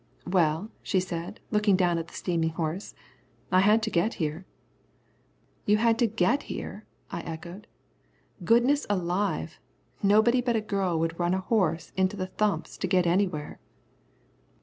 "Well," she said, looking down at the steaming horse, "I had to get here." "You had to get here?" I echoed. "Goodness alive! Nobody but a girl would run a horse into the thumps to get anywhere."